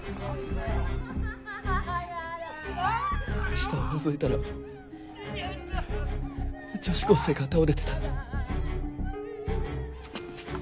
下を覗いたら女子高生が倒れてた。